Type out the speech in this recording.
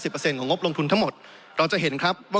ของงบลงทุนทั้งหมดเราจะเห็นครับว่า